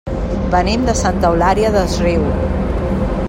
Venim de Santa Eulària des Riu.